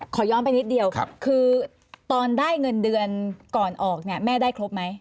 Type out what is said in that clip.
ขอย้อนไปนิดเดียวคือตอนได้เงินเดือนก่อนออกเนี่ยแม่ได้ครบไหม